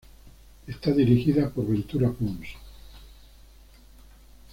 Está dirigida por Ventura Pons.